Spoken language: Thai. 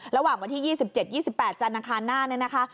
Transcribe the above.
ระหว่างวันที่๒๗๒๘จานอาคารหน้า